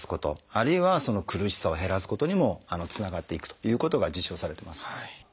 あるいは苦しさを減らすことにもつながっていくということが実証されてます。